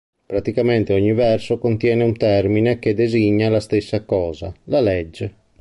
Praticamente ogni verso contiene un termine che designa la stessa cosa: la legge.